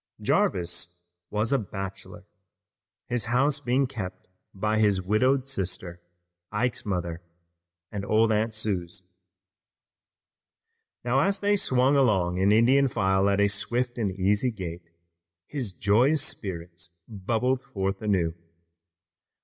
Jarvis was a bachelor, his house being kept by his widowed sister, Ike's mother, and old Aunt Suse. Now, as they swung along in Indian file at a swift and easy gait, his joyous spirits bubbled forth anew.